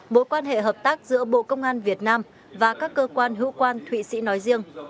mối quan hệ hợp tác giữa bộ công an việt nam và các cơ quan hữu quan thụy sĩ nói riêng